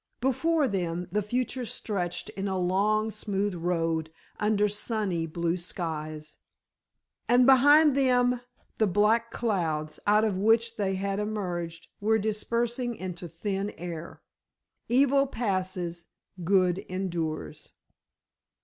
Before them the future stretched in a long, smooth road under sunny blue skies, and behind them the black clouds, out of which they had emerged, were dispersing into thin air. Evil passes, good endures.